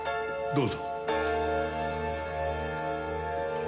どうぞ。